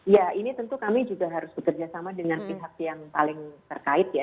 ya ini tentu kami juga harus bekerja sama dengan pihak yang paling terkait ya